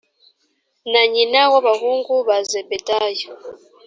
na nyina w abahungu ba zebedayo